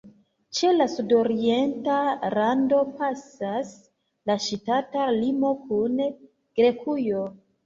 Ĉe la sudorienta rando pasas la ŝtata limo kun Grekujo.